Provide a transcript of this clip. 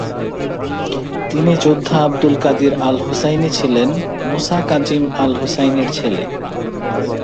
তিনি যোদ্ধা Abdul Qadir al-Husseini ছিলেন মুসা কাজিম আল-হুসাইনির ছেলে।